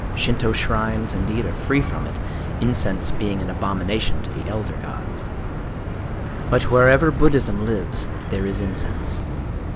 Shintō shrines, indeed, are free from it;—incense being an abomination to the elder gods. But wherever Buddhism lives there is incense.